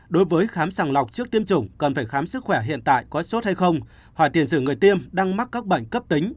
đối với tiền sử tiêm sức khỏe hiện tại có sốt hay không hỏi tiền sử người tiêm đang mắc các bệnh cấp tính